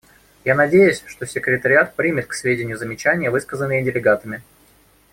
Я надеюсь, что секретариат принимает к сведению замечания, высказанные делегатами.